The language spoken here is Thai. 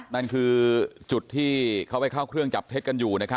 นั่นคือจุดที่เขาไปเข้าเครื่องจับเท็จกันอยู่